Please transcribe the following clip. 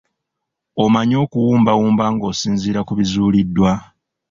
Omanyi okuwumbawumba ng'osinziira ku bizuuliddwa?